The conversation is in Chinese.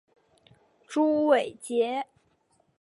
朱伟捷。